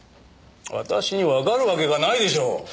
私にわかるわけがないでしょう！